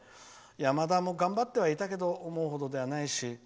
山田も頑張ってはいたけど思う程ではないし。